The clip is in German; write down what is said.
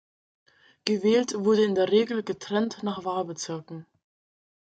Gewählt wurde in der Regel getrennt nach Wahlbezirken.